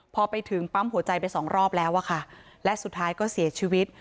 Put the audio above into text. พอถึงปั้มหัวใจไปสองรอบแล้วครับและสุดท้ายเสียชีวิต